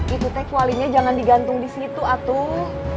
itu teh kualinya jangan digantung di situ atung